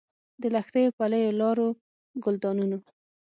د لښتیو، پلیو لارو، ګلدانونو